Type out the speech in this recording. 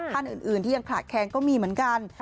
ท่านอื่นที่ยังขาดแคงก็มีเหมือนกัน